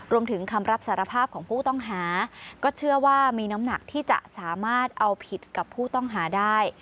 คำรับสารภาพของผู้ต้องหาก็เชื่อว่ามีน้ำหนักที่จะสามารถเอาผิดกับผู้ต้องหาได้